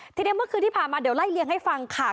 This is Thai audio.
ทีนี้เมื่อคืนที่ผ่านมาเดี๋ยวไล่เลี่ยงให้ฟังค่ะ